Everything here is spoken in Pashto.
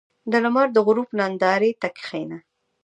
• د لمر د غروب نندارې ته کښېنه.